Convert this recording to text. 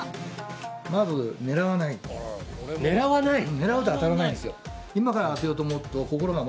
狙うと当たらないんですよ。